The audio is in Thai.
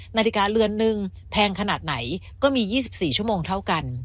นาฬิกาเรือนนึงแพงขนาดไหนก็มี๒๔ชั่วโมงเท่ากัน